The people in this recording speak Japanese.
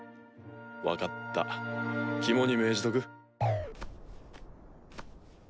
分かった肝に銘じとく。